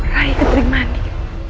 rai kentring mani